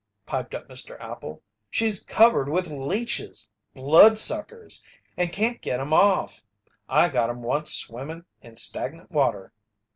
piped up Mr. Appel. "She's covered with leeches blood suckers and can't get 'em off. I got 'em once swimmin' in stagnant water."